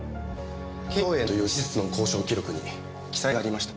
敬葉園という施設の交渉記録に記載がありました。